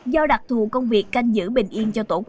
do đặc thù công việc canh giữ bình yên